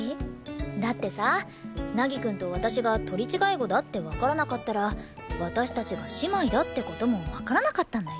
だってさ凪くんと私が取り違え子だってわからなかったら私たちが姉妹だって事もわからなかったんだよ？